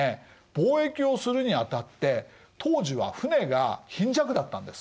貿易をするにあたって当時は船が貧弱だったんです。